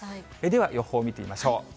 では予報を見てみましょう。